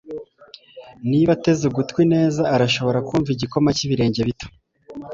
niba ateze ugutwi neza arashobora kumva igikoma cyibirenge bito